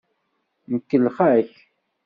Nkellex-ak.